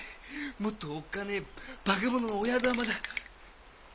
もっとおっかねえ化け物の親玉だ。